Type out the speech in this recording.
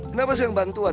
kenapa sekarang bantuan